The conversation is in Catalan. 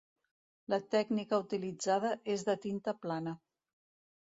La tècnica utilitzada és de tinta plana.